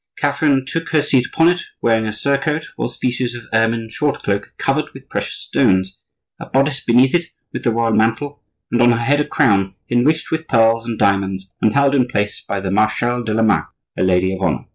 Catherine took her seat upon it, wearing a surcoat, or species of ermine short cloak covered with precious stones, a bodice beneath it with the royal mantle, and on her head a crown enriched with pearls and diamonds, and held in place by the Marechale de la Mark, her lady of honor.